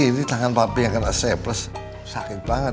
eh ini tangan papi yang kena sepsis sakit banget